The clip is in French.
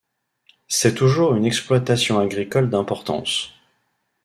C'est toujours une exploitation agricole d'importance.